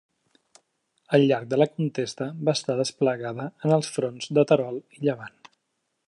Al llarg de la contesa va estar desplegada en els fronts de Terol i Llevant.